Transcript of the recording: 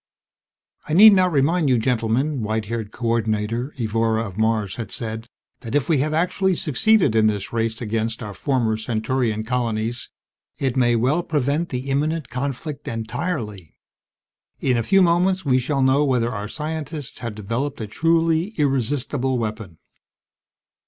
"I need not remind you, gentlemen," white haired Co ordinator Evora of Mars had said, "that if we have actually succeeded in this race against our former Centaurian colonies, it may well prevent the imminent conflict entirely. In a few moments we shall know whether our scientists have developed a truly irresistible weapon."